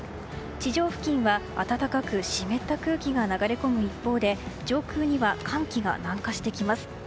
地上付近は暖かく湿った空気が流れ込む一方で上空には寒気が南下してきます。